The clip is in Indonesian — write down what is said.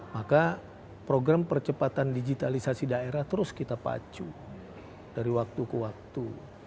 maka program percepatan digitalisasi daerah terus kita pacu dari waktu ke waktu